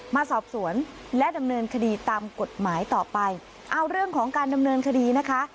มาสอบสวนและดำเนินคดีตามกฎหมายต่อไปเอาเรื่องของการดำเนินคดีนะคะ